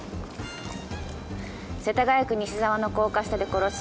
世田谷区西沢の高架下で殺し。